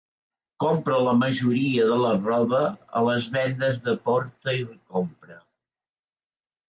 Compra la majoria de la roba a les vendes de "porta i compra".